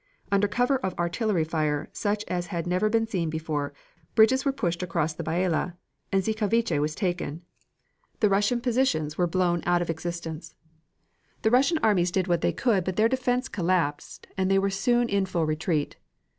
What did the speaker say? Under cover of artillery fire such as had never been seen before bridges were pushed across the Biala and Ciezkowice was taken. The Russian positions were blown out of existence. The Russian armies did what they could but their defense collapsed and they were soon in full retreat.